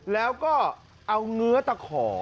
แล้วก็เอาเงื้อตะขอ